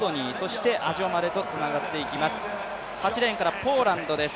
８レーンからポーランドです